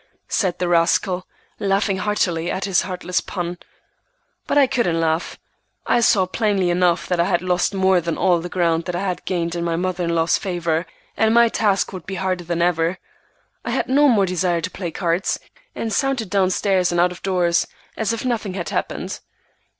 said the rascal, laughing heartily at his heartless pun. But I couldn't laugh. I saw plainly enough that I had lost more than all the ground that I had gained in my mother in law's favor, and my task would be harder than ever. I had no more desire to play cards, and sauntered down stairs and out of doors as if nothing had happened.